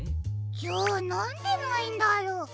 じゃあなんでないんだろう？